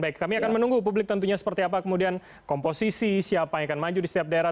baik kami akan menunggu publik tentunya seperti apa kemudian komposisi siapa yang akan maju di setiap daerah